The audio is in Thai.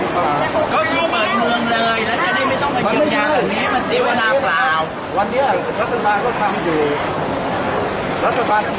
อาหรับเชี่ยวจามันไม่มีควรหยุด